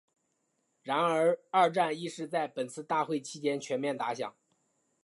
然而二战亦是在本次大会期间全面打响。